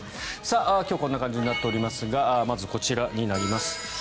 今日こんな感じになっていますがまず、こちらになります。